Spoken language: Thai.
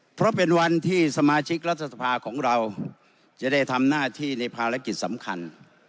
เพราะเป็นวันที่สมาชิกรัฐสภาของเราจะได้ทำหน้าที่ในภารกิจสำคัญ